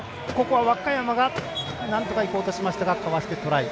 若山なんとかいこうとしましたがかわしてトライ。